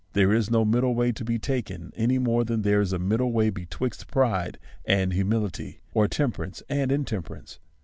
There is no middle way to be taken, any more than there is a middle way betwixt pride and humility, or temperance and intemperance.